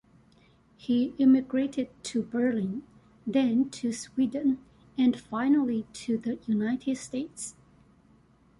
He emigrated to Berlin, then to Sweden, and finally to the United States.